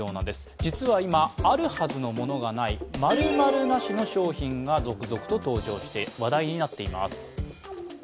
実は今、あるはずのものがない、○○なしの商品が続々と登場して話題になっています。